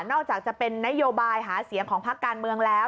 อกจากจะเป็นนโยบายหาเสียงของพักการเมืองแล้ว